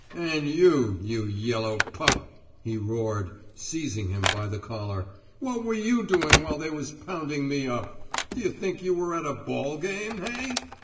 "And you, you yellow pup," he roared, seizing him by the collar, "what were you doing while they was pounding me up? D'you think you were at a ball game, hey?"